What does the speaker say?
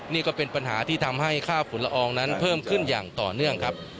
นี่ก็เป็นปัญหาที่ทำให้ค่าฝุ่นละอองนั้นเพิ่มขึ้นอย่างต่อเนื่องครับ